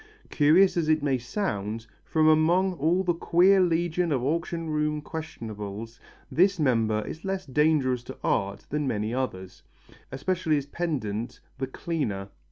Curious as it may sound, from among all the queer legion of auction room questionables, this member is less dangerous to art than many others, especially his pendant, the cleaner.